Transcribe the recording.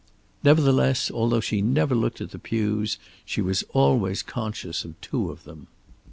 Nevertheless, although she never looked at the pews, she was always conscious of two of them.